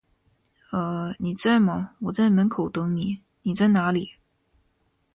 呃…你在吗，我在门口等你，你在哪里？